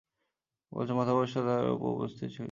পঞ্চম মাথা অবশ্য অন্যদের উপরে উপস্থিত হয়েছিল।